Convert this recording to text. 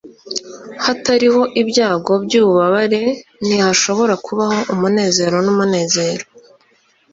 hatariho ibyago byububabare, ntihashobora kubaho umunezero numunezero